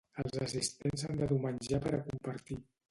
Els assistents han de dur menjar per a compartir.